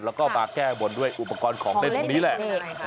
แล้วก็มาแก้บนด้วยอุปกรณ์ของเล่นตรงนี้แหละ